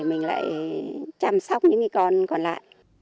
mình lại chăm sóc những con còn lại